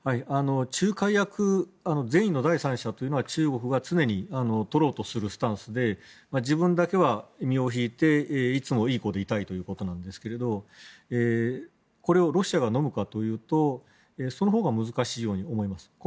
仲介役善意の第三者というのは中国が常に取ろうとするスタンスで自分だけは身を引いていつもいい子でいたいということなんですがこれをロシアがのむかというとそのほうが難しいと思います。